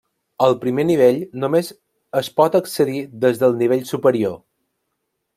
Al primer nivell només es pot accedir des del nivell superior.